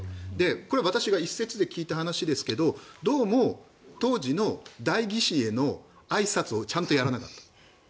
これ、私が一説で聞いた話なんですがどうも当時の代議士へのあいさつをちゃんとやらなかった。